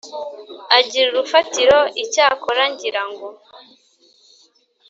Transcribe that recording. agira urufatiro icyakora ngira ngo